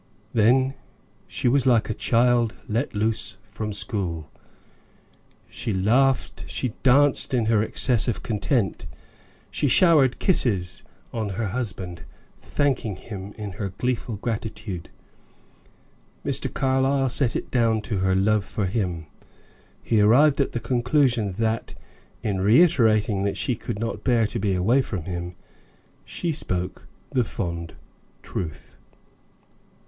Then she was like a child let loose from school. She laughed, she danced in her excess of content; she showered kisses on her husband, thanking him in her gleeful gratitude. Mr. Carlyle set it down to her love for him; he arrived at the conclusion that, in reiterating that she could not bear to be away from him, she spoke the fond truth.